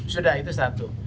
sudah itu satu